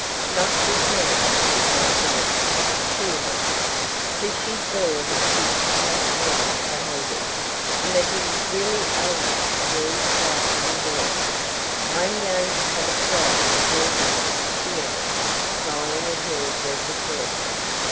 "Not just now," replied Dorothy, coolly, for she saw that she was quite able to hold him, and that he was really only a very slight young boy. "I am going to have a try at your game," she added, smiling at her versatility.